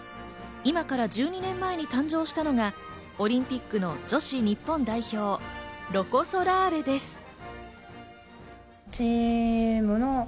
今から１２年前に誕生したのがオリンピックの女子日本代表、ロコ・ソラーレです。